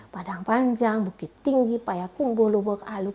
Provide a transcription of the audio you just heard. padang panjang bukit tinggi payakung bolo bok aluk